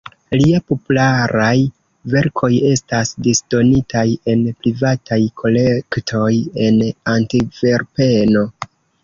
Liaj popularaj verkoj estas disdonitaj en privataj kolektoj en Antverpeno.